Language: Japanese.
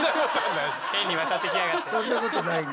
そんなことはない。